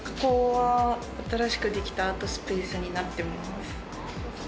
新しくできたアートスペースになってます。